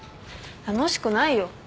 楽しくないよ。